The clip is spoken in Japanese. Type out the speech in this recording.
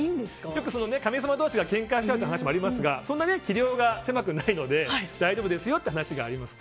神様同士がけんかしちゃうって話もありますがそんなに器量が狭くないので大丈夫ですよという話があります。